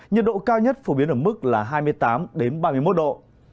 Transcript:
nhiệt độ cao nhất phổ biến ở mức là hai mươi tám ba mươi một độ